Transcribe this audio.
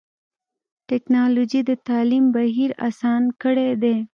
ټکنالوجي د تعلیم بهیر اسان کړی دی.